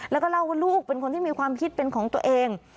แล้วก็เล่าว่าลูกเป็นคนที่มีความคิดเป็นของตัวเอง